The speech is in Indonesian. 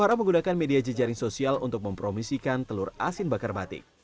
para menggunakan media jejaring sosial untuk mempromisikan telur asin bakar batik